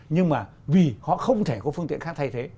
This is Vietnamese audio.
nhưng mà vì họ không thể có phương tiện khác thay thế